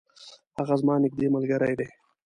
هغه زما نیږدي ملګری دی.